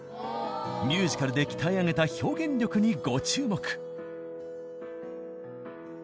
ミュージカルで鍛え上げた表現力にご注目。